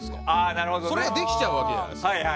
それができちゃうわけじゃないですか。